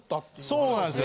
そうなんですよ。